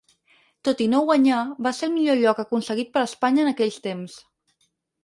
Tot i no guanyar, va ser el millor lloc aconseguit per Espanya en aquells temps.